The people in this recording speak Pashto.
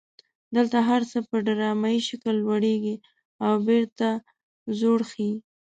دلته هر څه په ډرامایي شکل لوړیږي او بیرته ځوړ خي.